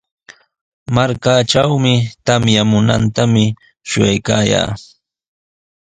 Markaatrawmi tamyamuntami shuyaykaayaa.